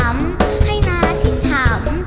มันเติบเติบ